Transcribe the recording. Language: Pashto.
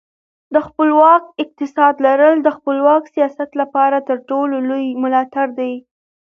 د خپلواک اقتصاد لرل د خپلواک سیاست لپاره تر ټولو لوی ملاتړ دی.